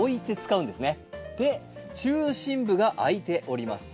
で中心部があいております。